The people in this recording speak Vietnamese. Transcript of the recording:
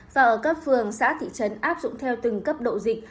và ở cấp phường xã thị trấn áp dụng theo từng cấp độ dịch